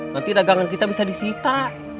nanti dagangan kita bisa disita